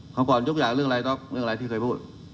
ก่อนยกอย่างเรื่องอะไรด๊อกเรื่องอะไรที่เคยพูด